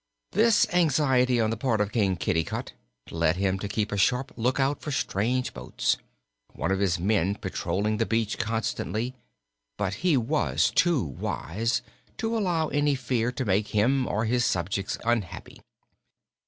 This anxiety on the part of King Kitticut led him to keep a sharp lookout for strange boats, one of his men patrolling the beach constantly, but he was too wise to allow any fear to make him or his subjects unhappy.